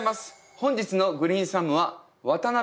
本日のグリーンサムは渡辺均さんです。